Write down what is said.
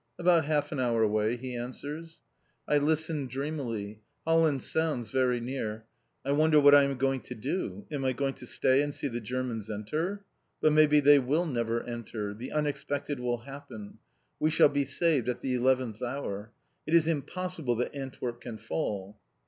"About half an hour away," he answers. I listen dreamily. Holland sounds very near. I wonder what I am going to do. Am I going to stay and see the Germans enter? But maybe they will never enter. The unexpected will happen. We shall be saved at the eleventh hour. It is impossible that Antwerp can fall.